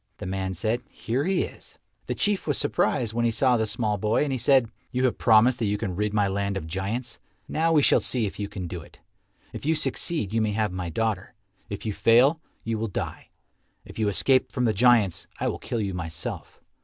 The man said, "Here he is." The Chief was surprised when he saw the small boy, and he said, "You have promised that you can rid my land of giants. Now we shall see if you can do it. If you succeed you may have my daughter. If you fail, you will die. If you escape from the giants, I will kill you myself.